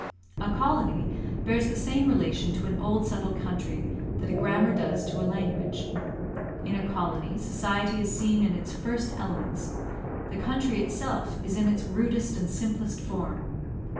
A colony bears the same relation to an old settled country that a grammar does to a language. In a colony, society is seen in its first elements, the country itself is in its rudest and simplest form.